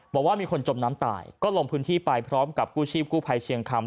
บอกว่ามีคนจมน้ำตายก็ลงพื้นที่ไปพร้อมกับกู้ชีพกู้ภัยเชียงคำ